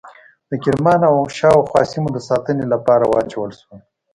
د کرمان او شاوخوا سیمو د ساتنې لپاره واچول شول.